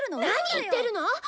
何言ってるの！